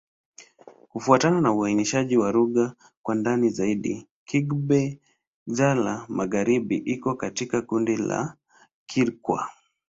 Kufuatana na uainishaji wa lugha kwa ndani zaidi, Kigbe-Xwla-Magharibi iko katika kundi la Kikwa.